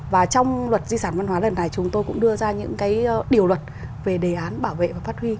và trong luật di sản văn hóa lần này chúng tôi cũng đưa ra những điều luật về đề án bảo vệ và phát huy